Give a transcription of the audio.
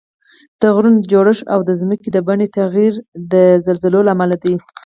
د غرونو جوړښت او د ځمکې د بڼې تغییر د زلزلو له امله دي